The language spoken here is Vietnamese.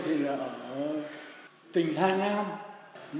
tôi ăn học ở nghệ an ở vinh